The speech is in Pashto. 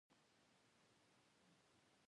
د قوت اندازه بدلېدای شي.